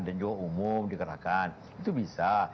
dan juga umum dikerahkan itu bisa